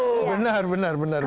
oh maaf sebelumnya saya nggak tahu